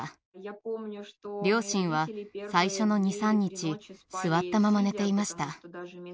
両親は最初の２３日座ったまま寝ていました。